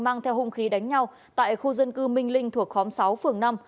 mang theo hung khí đánh nhau tại khu dân cư minh linh thuộc khóm sáu phường năm